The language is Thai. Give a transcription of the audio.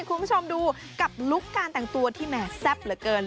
คุณผู้ชมดูกับลุคการแต่งตัวที่แหม่แซ่บเหลือเกิน